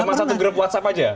cuma satu grup whatsapp aja